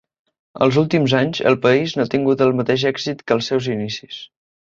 Els últims anys, el país no ha tingut el mateix èxit que als seus inicis.